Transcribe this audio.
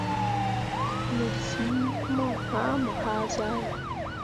Me fii mo hãã mo hazahe.